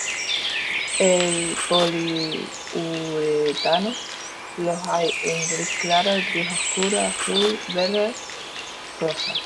En poliuretano los hay en gris claro, gris oscuro, azul, verde y rosa.